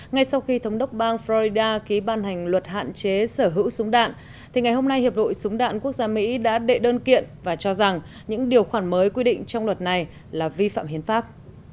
ngay sau khi thống đốc bang florida ký ban hành luật hạn chế sở hữu súng đạn thì ngày hôm nay hiệp hội súng đạn quốc gia mỹ đã đệ đơn kiện và cho rằng những điều khoản mới quy định trong luật này là vi phạm hiến pháp